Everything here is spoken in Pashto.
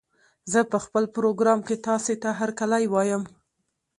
زه په خپل پروګرام کې تاسې ته هرکلی وايم